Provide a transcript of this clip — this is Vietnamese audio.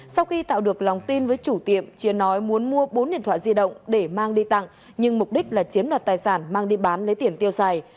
sau khi tạo được lòng tin với chủ tiệm chia nói muốn mua bốn điện thoại di động để mang đi tặng nhưng mục đích là chiếm đoạt tài sản mang đi bán lấy tiền tiêu xài